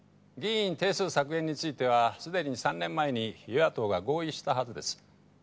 議員定数削減についてはすでに３年前に与野党が合意したはずです。